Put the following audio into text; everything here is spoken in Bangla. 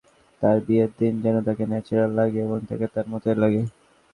তাঁর বিয়ের দিন যেন তাঁকে ন্যাচারাল লাগে এবং তাঁকে তাঁর মতোই লাগে।